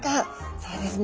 そうですね。